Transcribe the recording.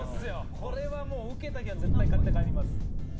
これはもうウケた日には絶対買って帰ります。